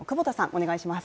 お願いします